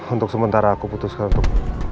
untuk sementara aku putuskan untuk